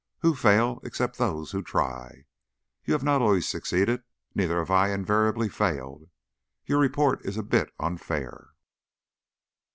Who fail, except those who try? You have not always succeeded; neither have I invariably failed. Your report is a bit unfair."